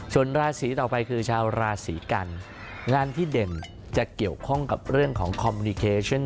ส่วนราศีต่อไปคือชาวราศีกันงานที่เด่นจะเกี่ยวข้องกับเรื่องของคอมมินิเคเช่น